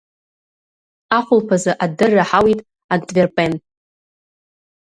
Ахәылԥазы адырра ҳауит Антверпен…